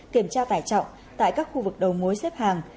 kiểm tra tải trọng tại các khu vực đầu mối xếp hàng